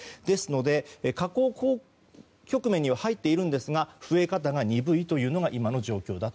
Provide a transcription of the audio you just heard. ですので、下降局面には入っているんですが増え方が鈍いというのが今の状況。